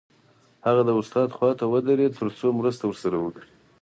هغه د استاد خواته ودرېد تر څو مرسته ورسره وکړي